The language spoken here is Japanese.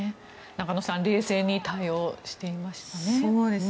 中野さん冷静に対応していましたね。